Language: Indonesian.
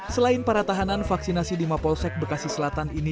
selain para tahanan vaksinasi lima polsek bekasi selatan ini